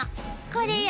これよ。